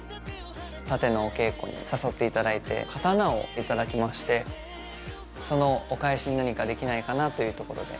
殺陣のお稽古に誘っていただいて刀を頂きましてそのお返しに何かできないかなというところで。